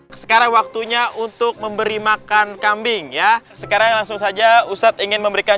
hai sekarang waktunya untuk memberi makan kambing ya sekarang langsung saja ustadz ingin memberikan